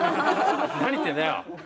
何言ってんだよ！